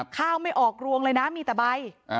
ข้าวไม่ออกรวงเลยนะมีแต่ใบ